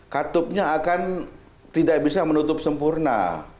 katupnya akan tidak bisa menutup sempurna